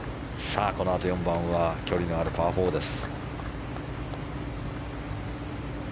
さあ、このあと４番は距離のあるパー４です。